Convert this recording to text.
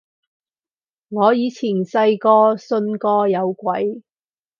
我以前細個信過有鬼